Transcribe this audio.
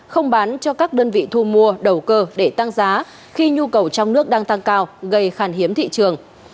không bán cho các đơn vị thu mua đầu cơ để tăng giá khi nhu cầu trong nước đang tăng cao gây khan hiếm thị trường